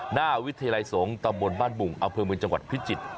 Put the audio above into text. หน้าวิทยาลัยสงฆ์ตำบลบ้านบุงอำเภอเมืองจังหวัดพิจิตร